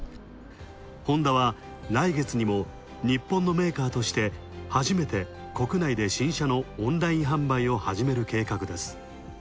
ホンダは来月にも日本のメーカーとして初めて、国内で新車のオンライン販売を始める計画です。